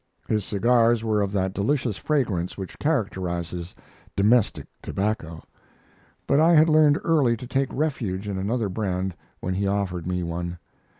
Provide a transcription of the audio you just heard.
His cigars were of that delicious fragrance which characterizes domestic tobacco; but I had learned early to take refuge in another brand when he offered me one.